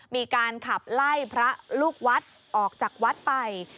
มีการขับไล่พระลูกวัดออกจากวัดไป